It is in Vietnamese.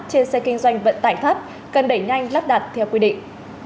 trên xe kinh doanh vận tải thấp cần đẩy nhanh lắp đặt theo quy định